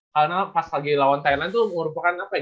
karena pas lagi lawan thailand tuh merupakan apa ya